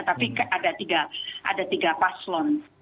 tapi ada tiga paslon